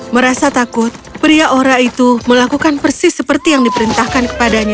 merasa takut pria ora itu melakukan persis seperti yang diperintahkan kepadanya